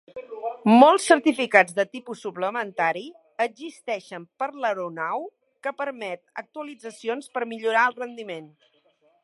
Molts certificats de tipus suplementari existeixen per l'aeronau que permet actualitzacions per millorar el rendiment.